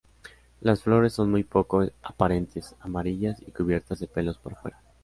Las flores son muy poco aparentes, amarillas y cubiertas de pelos por fuera.